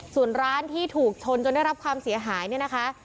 ส่วนร้านที่ถูกชนจนได้รับความเสียหายเนี่ยนะคะ